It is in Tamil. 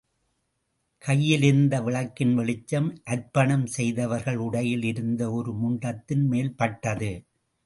கையிலிருந்த விளக்கின் வெளிச்சம் அர்ப்பணம் செய்தவர்கள் உடையில் இருந்த ஒரு முண்டத்தின் மேல்பட்டது.